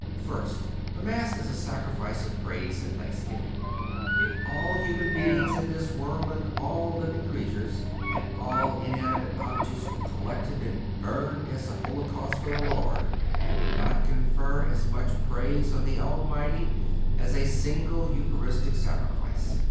First—The Mass is a sacrifice of praise and thanksgiving. If all human beings in this world, and all living creatures, and all inanimate objects were collected and burned as a holocaust to the Lord, they would not confer as much praise on the Almighty as a single Eucharistic sacrifice.